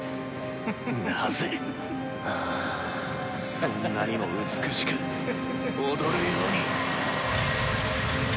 そんなにも美しく踊るように。